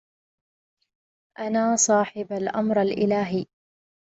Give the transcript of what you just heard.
أنا صاحب الأمر الإلهي